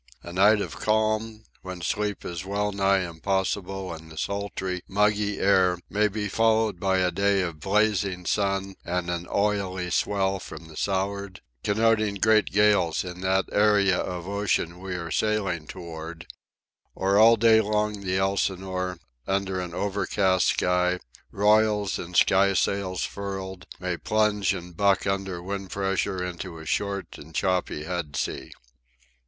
A night of calm, when sleep is well nigh impossible in the sultry, muggy air, may be followed by a day of blazing sun and an oily swell from the south'ard, connoting great gales in that area of ocean we are sailing toward—or all day long the Elsinore, under an overcast sky, royals and sky sails furled, may plunge and buck under wind pressure into a short and choppy head sea.